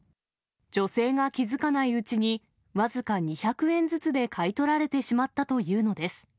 女性が気付かないうちに、僅か２００円ずつで買い取られてしまったというのです。